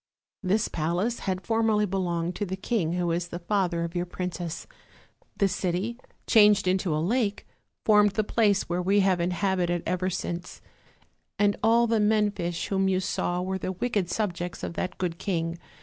This palace had formerly belonged to the king who is the father of your princess; the city, changed into a lake, formed the place which we have inhabited ever since; and all the men fish whom you saw were the wicked subjects of that good king.